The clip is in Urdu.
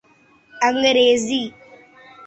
انگریزی